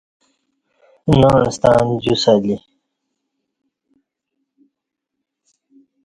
ناعس تݩع جُس الی